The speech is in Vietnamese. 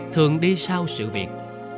thường đi sau sự việc